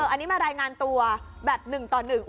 อันนี้มารายงานตัวแบบหนึ่งต่อหนึ่ง